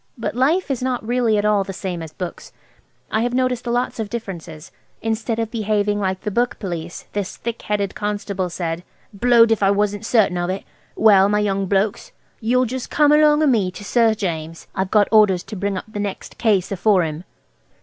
But life is not really at all the same as books. I have noticed lots of differences. Instead of behaving like the book Police, this thick headed constable said– "Blowed if I wasn't certain of it! Well, my young blokes, you'll just come along o' me to Sir James. I've got orders to bring up the next case afore him."